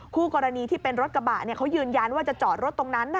คู่กรณีที่เป็นรถกระบะเขายืนยันว่าจะจอดรถตรงนั้น